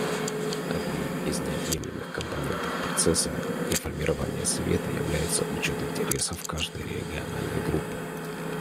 Одним из неотъемлемых компонентов процесса реформирования Совета является учет интересов каждой региональной группы.